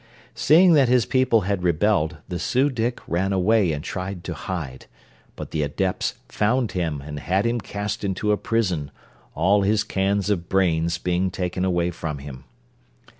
Seeing that his people had rebelled the Su dic ran away and tried to hide, but the Adepts found him and had him cast into a prison, all his cans of brains being taken away from him.